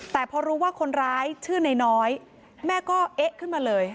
แต่พอรู้ว่าคนร้ายชื่อนายน้อยแม่ก็เอ๊ะขึ้นมาเลย